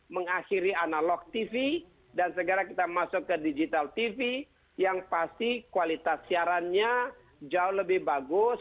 mengakhiri analog tv dan segera kita masuk ke digital tv yang pasti kualitas siarannya jauh lebih bagus